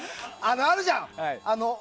あるじゃん。